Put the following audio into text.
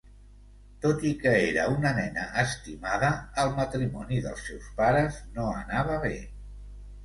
Tot i que era un nena estimada, el matrimoni dels seus pares no anava bé.